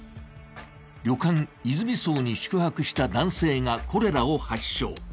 旅館いづみ荘に宿泊した男性がコレラを発症。